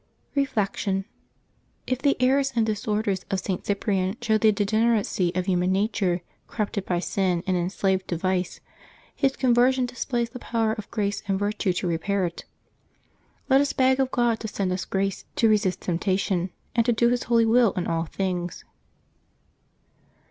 Reflection. — ^If the errors and disorders of St. Cyprian show the degeneracy of human nature corrupted by sin and enslaved to vice, his conversion displays the power of grace and virtue to repair it. Let us beg of God to send us grace to resist temptation, and to do His holy will in all things.